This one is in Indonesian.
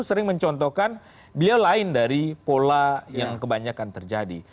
sering mencontohkan dia lain dari pola yang kebanyakan terjadi